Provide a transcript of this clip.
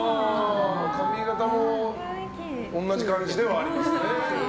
髪形も同じ感じではありますね。